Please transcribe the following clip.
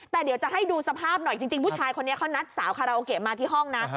แต่เดี๋ยวจะให้ดูสภาพหน่อยจริงผู้ชายคนนี้เขานัดสาวคาราโอเกะมาที่ห้องนะ